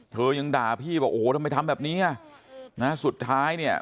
เธอยังด่าพี่บอกโอ้โหทำไมทำแบบนี้สุดท้าย